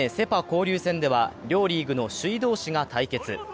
交流戦では両リーグの首位同士が対決。